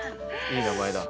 いい名前だ。